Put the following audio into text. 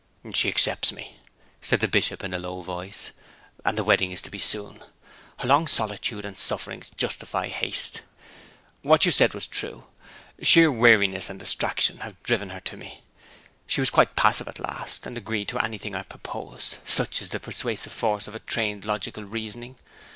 'She accepts me,' said the Bishop in a low voice. 'And the wedding is to be soon. Her long solitude and sufferings justify haste. What you said was true. Sheer weariness and distraction have driven her to me. She was quite passive at last, and agreed to anything I proposed such is the persuasive force of trained logical reasoning!